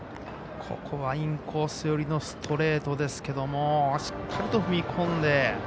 ここはインコース寄りのストレートですけれどもしっかりと踏み込んで。